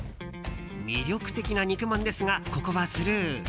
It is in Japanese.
魅力的な肉まんですがここはスルー。